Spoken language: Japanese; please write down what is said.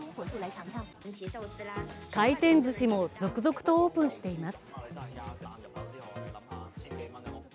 回転ずしも続々とオープンしています。